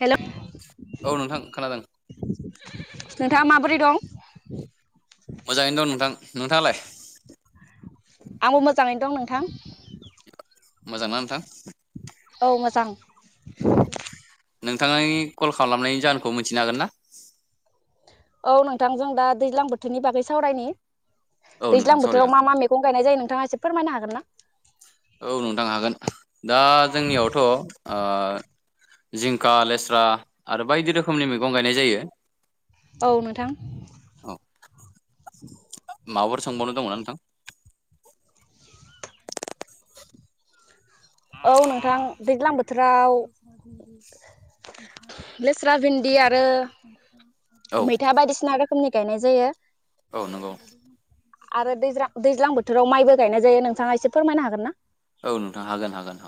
Hello औ नोंथां खोनादों नोंथाङा माबोरै दं? मोजाङैनो दं नोंथां। नोंथाङा लाय? आंबो मोजाङैनो दं नोंथां। मोजां ना नोंथां? औ मोजां औ नोंथांनि कल खालामनायनि जाहोनखौ मिथिनो हागोन ना औ नोंथांजों दा दैज्लां बोथोरनि बागै सावरायनि। औ नोंथां दैज्लां बोथोराव सावरायजागोन मा मा मैगं गायनाय जायो नों थाङा एसे फोरमायनो हागोन ना? औ नोंथां हागोन दा जोंनियावथ' ओ जिंखा लेस्रा आरो बायदि रोखोमनि मैगं गायनाय जायो। औ नोंथां औ माबाफोर सोंबावनो दंमोन नोंथां? औ नोंथां दैज्लां बोथोराव लेस्रा भिन्दि आरो औ मैथा बायदिसिना रोखोमनि गाय जायो औ नंगौ [inaudible] आरो दैज दैज्लां बोथोराव माइबो गायनाय जायो नोंथाङा एसे फोरमायनो हागोन ना? औ नो हागोन हागोन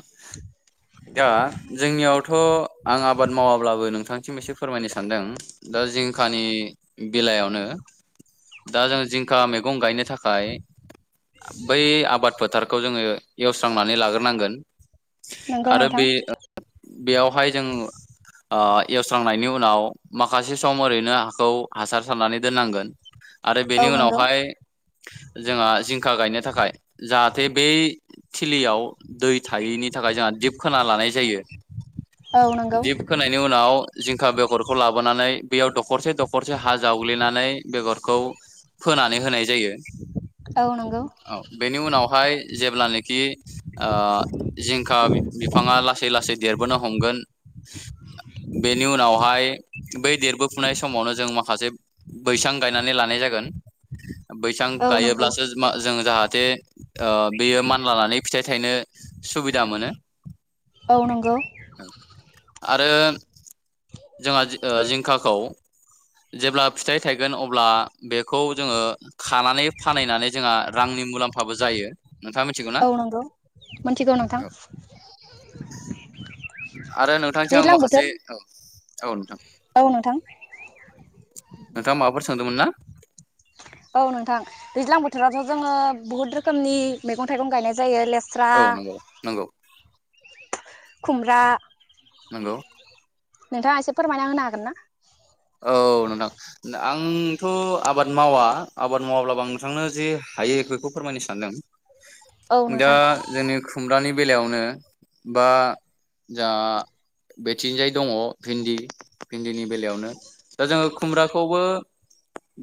दा जोंनियावथ' आं आबाद मावाब्लाबो नोंथांथिम एसे फोरमायनो सानदों दा जिंखानि बेलायावनो दा जों जिंखा मैगं गायनो थाखाय बै आबाद फोथारखौ जोङो एवस्रांनानै लाग्रोनांगोन नोंगौ आरो नथां बे बेयावहाय जों ओ एवस्रांनायनि उनाव माखासे सम ओरैनो हाखौ हासार सारनानै दोननांगोन। आरो औ बेनि नंगौ उनावहाय जोंहा जिंखा गायनो थाखाय जाहाथे बै थिलियाव दै थायैनि थाखाय जोंहा दिप खोना लानाय जायो औ नंगौ दिप खोनायनि उनाव जिंखा बेगरखौ लाबोनानै बेयाव दखरसे दखरसे हा जावग्लिनानै बेगरखौ फोनानै होनाय जायो औ नंगौ औ बेनि उनावहाय जेब्लानो खि ओ जिंखा बिफाङा लासै लासै देरबोनो हमगोन बेनि उनावहाय बै देरबोफुनाय समावनो जों माखासे बैसां गायनानै लानाय जागोन बैसां औ नंगौ गायोब्लासो जों जाहा बे ओ बेयो मा माने फिथाइ थाइ नो सुबिदा मोनो। ओ नंगौ आरो जोंहा जिंखाखौ जेब्ला फिथाइ थायगोन अब्ला बेखौ जोङो खानानै फानहैनानै जोंहा रांनि मुलाम्फाबो जायो नोंथां। औ नंगौ मिथिगौ नोंथां आरो नोंथांसिम आं दैज्लां बोथोर माखासे औ औ औ नोंथां नोंथाङा माबाफोर सोंदोंमोन ना औ नोंथां दैज्लां बोथोराव थ' जोङो बहुत रोखोमनि मैगं थाइगं गायनाय जायो ले औ नंगौ नंगौ खुमब्रा नंगौ नोंथाङा एसे फोरमायना होनो हागोन ना? औ नोंथां आंथ' आबाद मावा आबाद मावाब्लाबो आं नोंथांनो जे हायो बेखौ फोरमायनो औ सानदों। दा नोंथां जोंनि खुमब्रानि बेलायावनो बा जा बेथिंजाय दङ भिनदि भिनदिनि बेलायावनो [inaudible] दा जोङो खुमब्राखौबो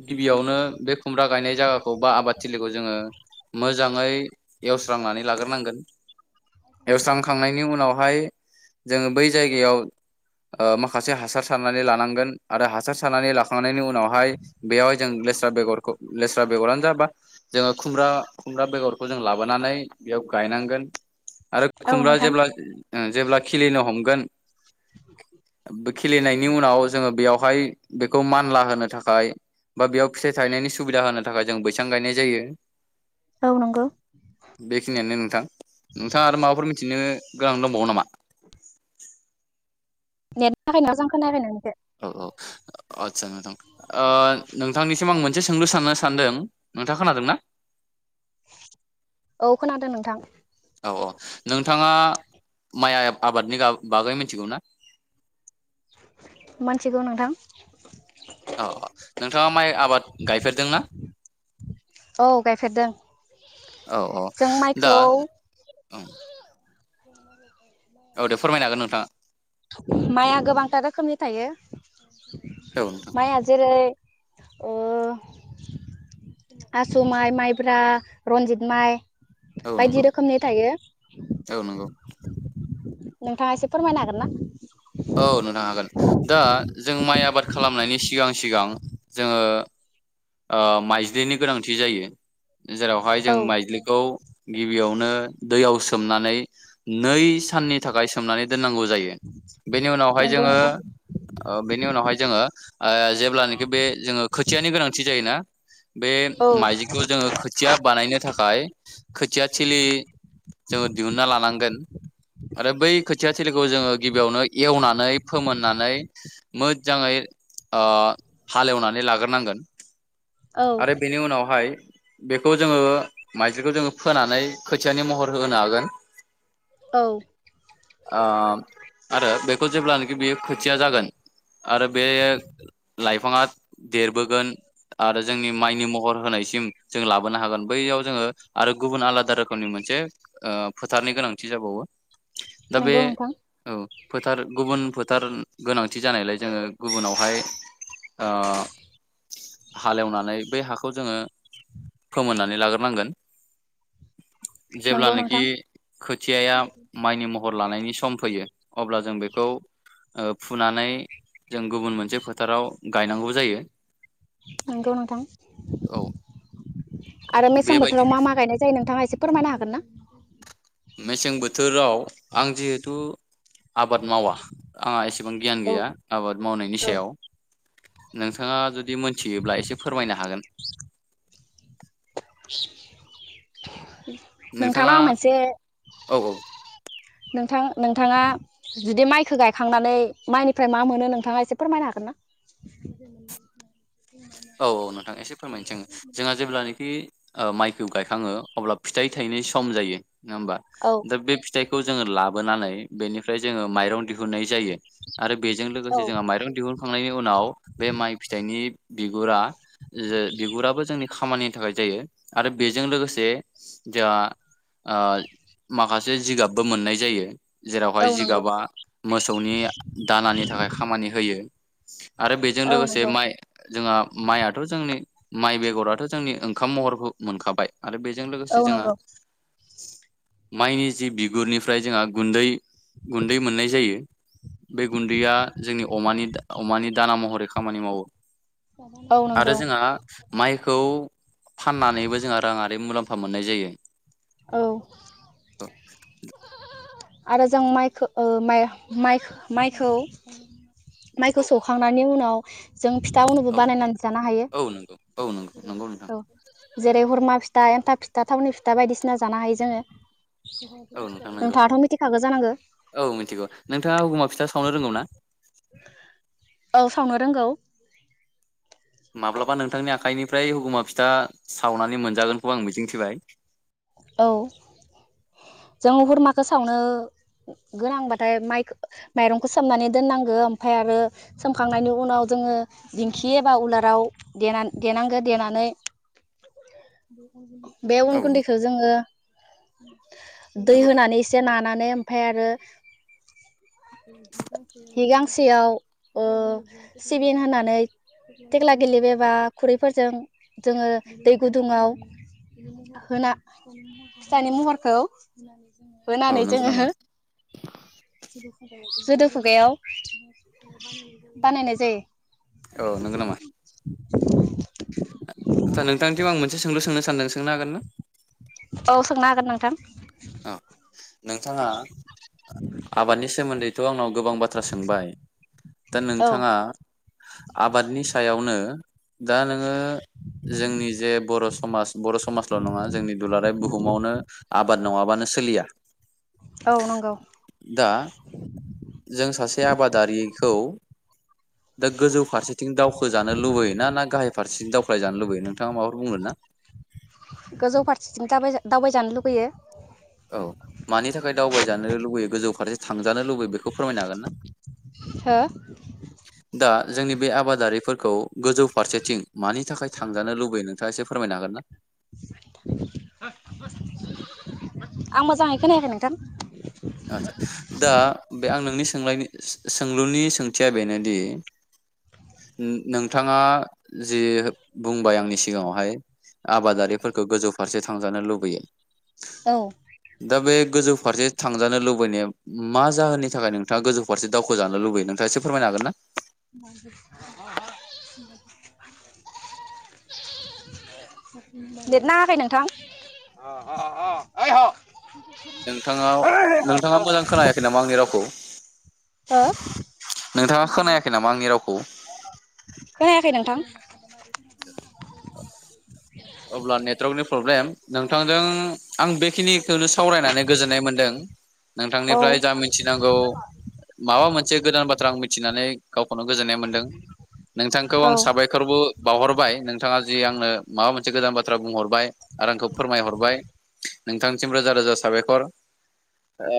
गिबियावनो बे खुमब्रा गायनाय जायाखौ बा आबाद थिलिखौ जोङो मोजाङै एवस्रांनानै लाग्रोनांगोन एवस्रांखांनायनि उनावहाय जोङो बै जायगायाव ओ माखासे हासार सारनानै लानांगोन। आरो हासार सारनानै लाखांनायनि उनावहाय बेयावहाय जों लेस्रा बेगरखौ लेस्रा बेगरानो जाबा जोङो खुमब्रा खुमब्रा बेगरखौ जों लाबोनानै बेयाव गायनांगोन। आरो औ खुमब्रा नोंथां जेब्ला ओ जेब्ला खिलिनो हमगोन [inaudible] खिलेनायनि उनाव जोङो बेयाव बेवहाय बेखौ मानला होनो थाखाय बा बेयाव फिथाइ थायनायनि सुबिदा होनो थाखाय जों बैसां गायनाय जायो। औ नंगौ बेखिनियानो नों थां नोंथाङा आरो माबाफोर मिनथिनो गोनां दंबावो नामा? नेटनि थाखाय मोजां खोनायाखै नोंनिखो। औ औ आदसा नोंथां ओ नोंथांनिसिम आं मोनसे सोंलु साननो सानदों नोंथाङा खोनादों ना? औ खोनादों नोंथां। औ औ नोंथाङा माइ आइ आब आबादनि गा बागै मिनथिगौ ना? मोनथिगौ नोंथां। अ नोंथाङा माइ आबाद गायफेरदों ना? औ गायफेरदों औ औ जों दा माइखौ [inaudible] औ दे फोरमायनो हागोन नोंथाङा। माइया गोबांथार रोखोमनि थायो। औ नोंथां माइया जेरै ओ आसु माइ माइब्रा रन्जित माइ औ बायदि नंगौ रोखोमनि थायो। औ नंगौ नोंथाङा एसे फोरमायनो हागोन ना? औ नोंथां हागोन। दा जों माइ आबाद खालामनायनि सिगां सिगां जोङो ओ माइजलिनि गोनांथि जायो जेरावहाय जों औ माइज्लिखौ गिबियावनो दैयाव सोमनानै नै साननि थाखाय सोमनानै दोननांगौ जायो बेनि उनावहाय नंगौ जोङो नोंथां ओ बेनि उनावहाय जोङो जेब्लानोखि बे जोङो खोथियानि गोनां जायोना बे औ माइजिखौ जोङो खोथिया बानायनो थाखाय खोथिया थिलि जोङो दिहुनन्ना लानांगोन आरो बै खोथिया थिलिखौ जोङो गिबियावनो एवनानै फोमोननानै मोजाङै ओ हालेवनानै लाग्रोनांगोन। औ आरो बेनि उनावहाय बेखौ जोङो माइज्लिखौ जोङो फोनानै खोथियानि महर होनो हागोन। औ आ आरो बेखौ जेब्लानोखि बियो खोथिया जागोन आरो बे लाइफ फाङा देरबोगोन आरो जोंनि माइनि महर होनायसिम जों लाबोनो हागोन बैयाव जोङो आरो गुबुन आलादा रोखोमनि मोनसे ओ फोथारनि गोनांथि जाबावो। दा बे नंगौ नोंथां औ फोथार गुबुन फोथार गोनांथि जानायलाय जोङो गुबुनावहाय हालेवनानै बै हाखौ जोङो फोमोननानै लाग्रोनांगोन। नंगौ नोंथां जेब्लानाखि खोथियाया माइनि महर लानायनि सम फैयो। अब्ला जों बेखौ फुनानै जों गुबुन मोनसे फोथाराव गायनांगौ जायो। नंगौ नोंथां औ आरो मेसें बेबायदि बोथोराव मा मा गायनाय जायो नोंथाङा एसे फोरमायनो हागोन ना? मेसें बोथोराव आं जिहेथु आबाद मावा आंहा एसे एसेबां गियान औ गैया आबाद मावनायनि औ सायाव नोंथाङा जुदि जदि मोनथियोब्ला एसे फोरमायनो हागोन। [inaudible] नोंथाङा नोंथांनाव‌ आं मोनसे औ नोंथां नोंथाङा जुदि माइखौ गायखांनानै माइनिफ्राय मा मोनो नोंथाङा एसे फोरमायनो हागोन ना? औ औ नोंथां एसे फोरमायनोसै ओ माइखौ गायखाङो अब्ला फिथाइ थायनो सम जायो। नङा होमबा औ दा बे फिथाइखौ खौ जोङो लाबोनानै बेनिफ्राय जोङो माइरं दिहुननाय जायो आरो बेजों औ लोगोसे जोंहा माइरं दिहुनखांनायनि उनाव बे माइ फिथाइनि बिगुरा ज बिगुराबो जोंनि खामानि थाखाय जायो आरो बेजों लोगोसे जोंहा ओ माखासे जिगाबबो मोननाय जायो। जेरावहाय औ नंगौ जिगाबा मोसौनि दानानि थाखाय खामानि होयो आरो बेजों औ लोगोसे नंगौ माइ जोङा माइआथ' जों नि माइ बेगराथ' जोंनि ओंखाम महरखौ मोनखाबाय आरो बेजों लोगोसे औ जोंहा नंगौ माइनि जि बिगुरनिफ्राय जोंहा गुन्दै गुन्दै मोननाय जायो बे गुन्दैया जोंनि अमानि दा अमानि दाना महरै खामानि मावो। औ आरो नंगौ जोंहा माइ खौ फाननानैबो जोंहा राङआारि मुलाम्फ मुफा मोननाय जायो। औ औ आरो जों माइखौ माइ माइखौ माइखौ सौखांनायनि उनाव [inaudible] जों फिथा उननोबो औ बानायनानै जानो हायो औ नंगौ औ नंगौ नंगौ नोंथां औ जेरै हुरमा फिथा एन्थाब फिथा थावनि फिथा बायदिसिना जानो हायो जोङो। औ नोंथां नंगौ नोंथाङाथ मि औ मिथिगौ। नोंथाङा हुगमा फिथा सावनो रोंगौ ना? औ सावनो रोंगौ। माब्लाबा नोंथांनि आखाइनिफ्राय हगुमा फिथा सावनानै मोनजागोनखौ आं मिजिंथिबाय। औ जों हुरमाखौ सावनो गोनांबाथाय माइ माइरंखौ सोमनानै दोननांगो। ओमफफ्राय आरो सोमखांनायनि उनाव जोङो दिंखि एबा उलाराव दे देनांगो देनानै बे अन औ गुन्दैखो ओ दै नंगौ होनानै एसे नानानै ओमफाय आरो हि गांसेयाव ओ सिबिन होनानै थेग्ला गेलिब एबा खुरैफोरजों जोङो दै गुदुङाव होना फिथानि महरखौ औ होनानै नंगौ नामा जोङो जोदो खुगायाव बानायनाय जायो। औ नंगौ नामा? [inaudible] आदसा नोंथांनिथिं आं मोनसे सोंलु सोंनो सानदों सोंनो हागोन ना? अ सोंनो हागोन नोंथां। औ नोंथाङा आबादनि सोमोन्दैथ आंनाव गोबां बाथ्रा सोंबाय दा औ नोंथाङा आबादनि सायावनो दा नोङो जोंनि जे बर' समाज बर' समाजल नङा जोंनि दुलाराय बुहुमावनो आबाद नङाबानो सोलिया औ नंगौ दा जों सासे आबादारिखौ दा गोजौ फारसेथिं दावखोजानो लुबैयो ना ना गाहाय फारसेथिं दावख्लाय जानो लुबैयो नोंथाङा माबाफोर बुंनो ना गोजौ फारसेथिं दावबाय-दावबायजानो लुगैयो। औ मानि थाखाय दावबायजानो लुबैयो गोजौ फारसे थांजानो लुबैयो बे खौ फोरमायनो हागोन ना? हो दा जोंनि बे आबादारिफोरखौ गोजौ फारसेथिं मानि थाखाय थांजानो लुबैदों? नोंथाङा एसे फोरमनो हागोन ना? आं मोजाङै खोनायाखै नोंथां। आचसा दा बे आं नोंनि सोंलायनो सोंलुनि सोंथिया बेनोदि नोंथाङा जि बुंबाय आंनि सिगाङावहाय आबादारिफोरखौ गोजौ फारसे थांजानो लुबैयो। औ दा बे गोजौ फारसे थांजानो लुबैनाया मा जाहोननि थाखाय नोंथाङा गोजौ फारसे दावखोजानो लुबैयो नोंथाङा एसे फोरमायनो हागोन ना? [unintelligible] नेट नाङाखै नोंथां [unintelligible] नोंथाङा नोंथाङा मोजां खोनायाखै नामा आंनि रावखौ? [unintelligible] हो नोंथाङा खोनायाखै नामा आंनि रावखौ खोनायाखै नोंथां अब्ला नेटवर्कनि प्रब्लेम नोंथांजों आं बेखिनिखौनो सावरायनानै गोजोननाय मोनदों औ नोंथांनिफ्राय जा मिथिनांगौ माबा मोनसे गोदान बाथ्रा आं मि मिथिनानै गावखौनो गोजोननाय मोनदों नोंथांखौ औ आं साबायखरबो बावहरबाय नों बिथाङा जि आंनो माबा मोनसे गोदान बाथ्रा बुंहर बाय आरो आंखौ फोरमायहरबाय नोंथांसिम रोजा रोजा साबायखर ओ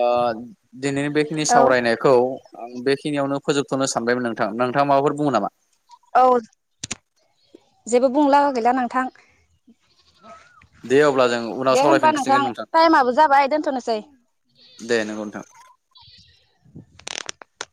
दिनैनि बेखिनि औ सावरायनायखौ आं बेखिनियावनो फोजोबथ'नो सानबायमोन नोंथां नोंथाङा माबाफोर बुङो नामा? औ जेबो बुंला गैला नोंथां। दे अब्ला जों उनाव दे होनबा नोंथां सावरायफिनसिगोन टाइमाबो जाबाय दोनथ'नोसै। दे नंगौ नोंथां। [inaudible]